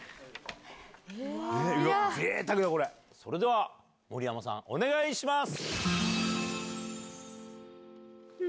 それでは森山さんお願いします。